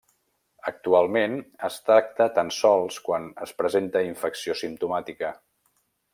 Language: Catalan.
Actualment es tracta tan sols quan es presenta infecció simptomàtica.